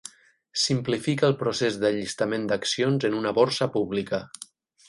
Simplifica el procés d'allistament d'accions en una borsa pública.